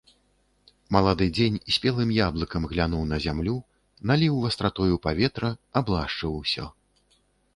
Малады дзень спелым яблыкам глянуў на зямлю, наліў вастратою паветра, аблашчыў усё.